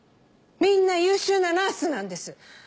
みんな優秀なナースなんです。